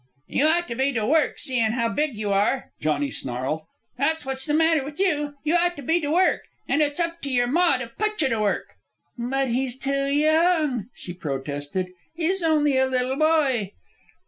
"You ought to be to work, seein' how big you are," Johnny snarled. "That's what's the matter with you. You ought to be to work. An' it's up to your ma to put you to work." "But he's too young," she protested. "He's only a little boy."